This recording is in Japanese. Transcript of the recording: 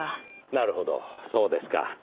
なるほどそうですか。